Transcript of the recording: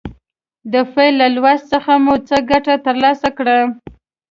د فعل له لوست څخه مو څه ګټه تر لاسه کړه.